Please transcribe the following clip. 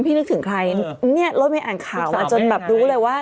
พี่นึกถึงใครรถไม่อ่านข่าวจนรู้เลยว่า